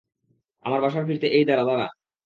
আমার বাসায় ফিরতে এই দাঁড়া, দাঁড়া।